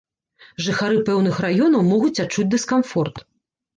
Жыхары пэўных раёнаў могуць адчуць дыскамфорт.